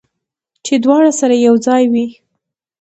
چې دواړه سره یو ځای وي